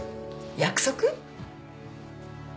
約束？